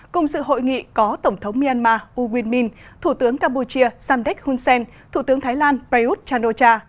cùng sự hội nghị có tổng thống myanmar u win min thủ tướng campuchia samdek hun sen thủ tướng thái lan prayuth chan o cha